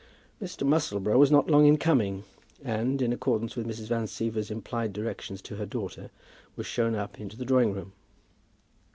Mr. Musselboro was not long in coming, and, in accordance with Mrs. Van Siever's implied directions to her daughter, was shown up into the drawing room.